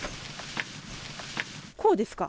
こうですか？